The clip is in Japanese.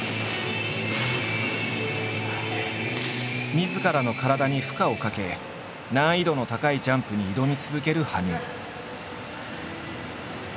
みずからの体に負荷をかけ難易度の高いジャンプに挑み続ける羽生。